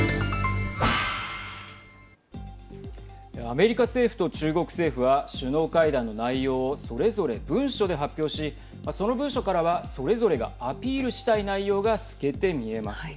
アメリカ政府と中国政府は首脳会談の内容をそれぞれ文書で発表しその文書からはそれぞれがアピールしたい内容が透けて見えます。